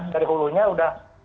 dari hulunya sudah